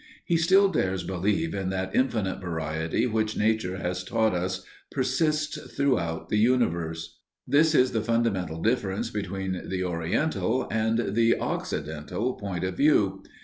He still dares believe in that infinite variety which Nature has taught us persists throughout the universe. This is the fundamental difference between the Oriental and the Occidental point of view.